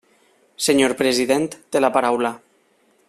Senyor president, té la paraula.